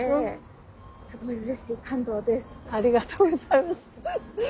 ありがとうございます。